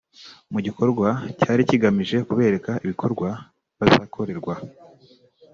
Mu gikorwa cyari kigamije kubereka ibikorwa bazakorerwa